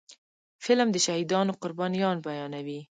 فلم د شهیدانو قربانيان بیانوي